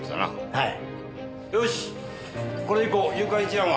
はい。